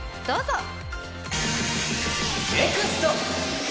どうぞ。